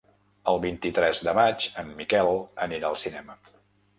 El vint-i-tres de maig en Miquel anirà al cinema.